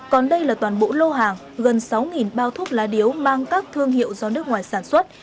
còn đây là toàn bộ lô hàng gần sáu bao thuốc lá điếu mang các thương hiệu do nước ngoài sản xuất